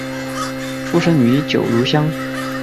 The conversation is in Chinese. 出生于九如乡。